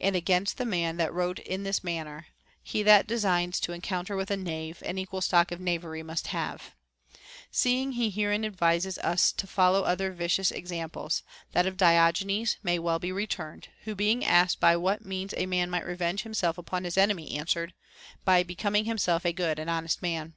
And against the man that wrote in this manner, He that designs to encounter with a knave, An equal stock of knavery must have, seeing he herein advises us to follow other vicious exam ples, that of Diogenes may well be returned, who being asked by what means a man might revenge himself upon his enemy, answered, By becoming himself a good and honest man.